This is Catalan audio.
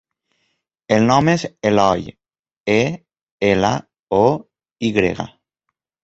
El nom és Eloy: e, ela, o, i grega.